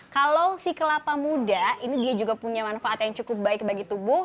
kalau si kelapa muda ini dia juga punya manfaat yang cukup baik bagi tubuh